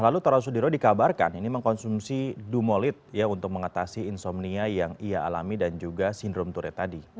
lalu tora sudiro dikabarkan ini mengkonsumsi dumolid untuk mengatasi insomnia yang ia alami dan juga sindrom touret tadi